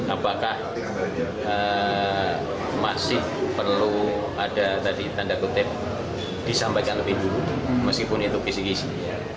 apakah masih perlu ada tadi tanda kutip disampaikan lebih dulu meskipun itu kisi kisih